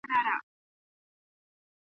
چي شرنګی یې وو په ټوله محله کي .